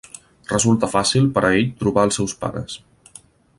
Resulta fàcil per a ell trobar els seus pares.